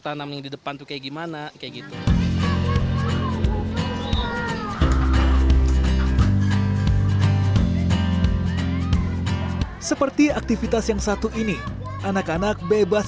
tanam yang di depan tuh kayak gimana kayak gitu seperti aktivitas yang satu ini anak anak bebas